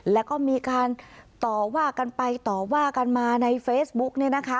แล้วก็มีการต่อว่ากันไปต่อว่ากันมาในเฟซบุ๊กเนี่ยนะคะ